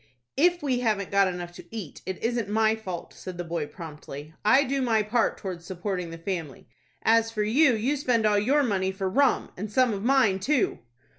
"If we haven't got enough to eat, it isn't my fault," said the boy, promptly. "I do my part towards supporting the family. As for you, you spend all your money for rum, and some of mine too."